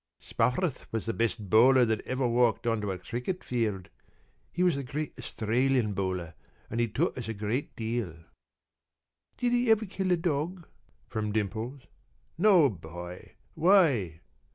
p> "Spofforth was the best bowler that ever walked on to a cricket field. He was the great Australian Bowler and he taught us a great deal." "Did he ever kill a dog?" from Dimples. "No, boy. Why?"